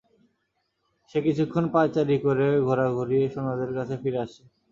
সে কিছুক্ষণ পায়চারি করে ঘোড়া ঘুরিয়ে সৈন্যদের কাছে ফিরে আসে।